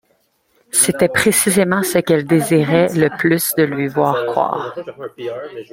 C’était précisément ce qu’elle désirait le plus de lui voir croire.